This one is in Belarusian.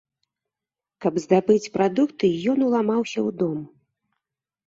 Каб здабыць прадукты, ён уламаўся ў дом.